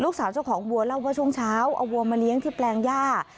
เจ้าของวัวเล่าว่าช่วงเช้าเอาวัวมาเลี้ยงที่แปลงย่า